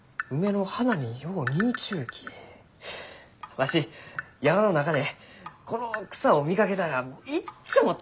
わし山の中でこの草を見かけたらいっつもときめきますき！